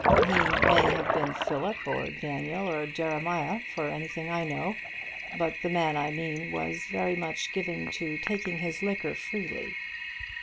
"He may have been Philip, or Daniel, or Jeremiah, for anything I know. But the man I mean was very much given to taking his liquor freely."